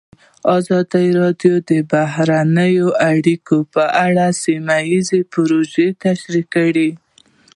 ازادي راډیو د بهرنۍ اړیکې په اړه سیمه ییزې پروژې تشریح کړې.